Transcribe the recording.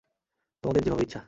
তোমাদের যেভাবে ইচ্ছা।